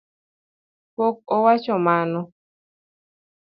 Pok awacho mano